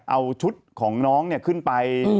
เอาชุดของน้องเนี่ยขึ้นไป